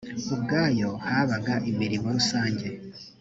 ubwayo habaga imirimo rusange